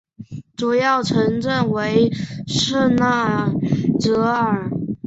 主要城镇为圣纳泽尔。